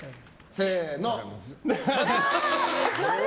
せーの。×。